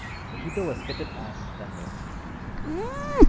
A heater was fitted as standard.